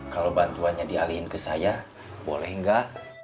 kalau bantuannya dialihin ke saya boleh nggak